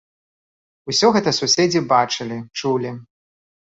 Усё гэта суседзі бачылі, чулі.